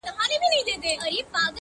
چي پرې ایښي چا و شاته هنري علمي آثار دي,